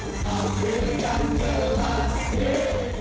ambilkan gelas yee